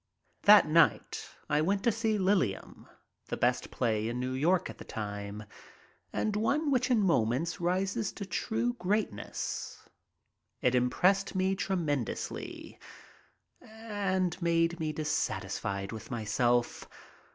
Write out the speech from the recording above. That night I went to see "Liliom," the best play in New York at the time and one which in moments rises to true greatness. It impressed me tremendously and made me dissatisfied with myself.